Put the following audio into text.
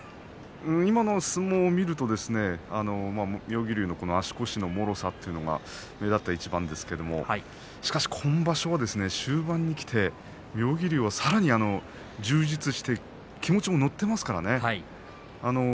今の相撲を見ると妙義龍の足腰のもろさというのが目立った一番ですけれどしかし今場所は終盤にきて妙義龍はさらに充実して気持ちも乗っていますからね。